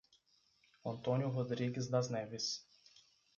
Antônio Rodrigues Das Neves